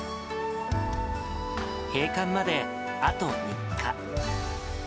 閉館まであと３日。